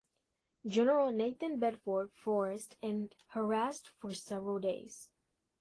General Nathan Bedford Forrest and harassed for several days.